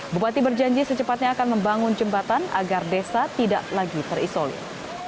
bupati berjanji secepatnya akan membangun jembatan agar desa tidak lagi terisolir